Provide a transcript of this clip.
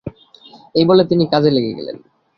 এই বলে তিনি কাজে লেগে গেলেন।